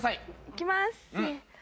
いきます。